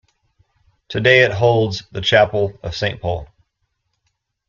Today it holds the Chapel of Saint Paul.